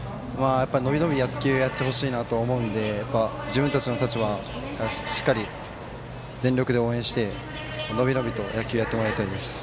伸び伸びと野球をやってほしいなと思うので自分たちはしっかり全力で応援してのびのびと野球やってもらいたいです。